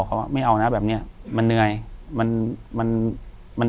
อยู่ที่แม่ศรีวิรัยิลครับ